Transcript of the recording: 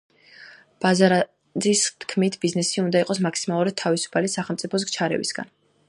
ხაზარაძის თქმით, ბიზნესი უნდა იყოს მაქსიმალურად თავისუფალი სახელმწიფოს ჩარევისაგან.